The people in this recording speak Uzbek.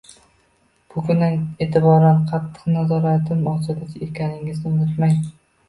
Bugundan e'tiboran qattiq nazoratim ostida ekaningizni unutmang